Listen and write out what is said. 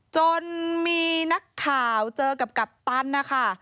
จนมีนักข่าวเจอกับกัปตันนะคะ